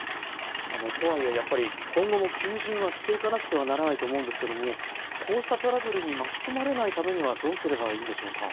とはいえ今後も求人はしていかなくてはならならないと思うのですがこうしたトラブルに巻き込まれないためにはどうすればいいのでしょうか。